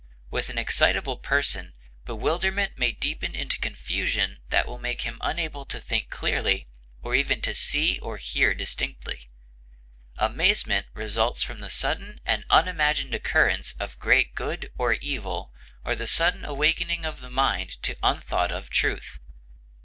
With an excitable person bewilderment may deepen into confusion that will make him unable to think clearly or even to see or hear distinctly. Amazement results from the sudden and unimagined occurrence of great good or evil or the sudden awakening of the mind to unthought of truth.